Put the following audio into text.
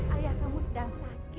ayah kam yayangku